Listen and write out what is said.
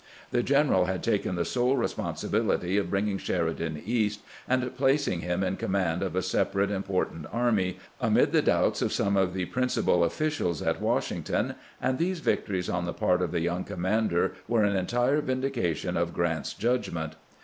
The general had taken the sole responsibility of bringing Sheridan East and placing him in command of a sepa rate, important army, amid the doubts of some of the principal officials at Washington, and these victories on the part of the young commander were an entire vin GOOD NEWS FEOM WINCHESTER 299 dication of Grant's judgment.